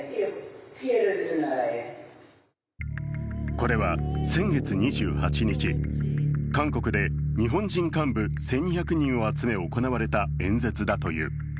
これは、先月２８日韓国で日本人幹部１２００人を集め行われた演説だという。